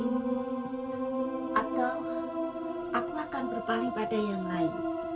atau aku akan berpaling pada yang lain